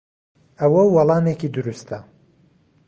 ئەوە وەڵامێکی دروستە.